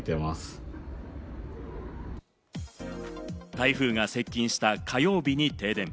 台風が接近した火曜日に停電。